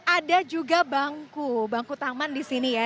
ada juga bangku bangku taman di sini ya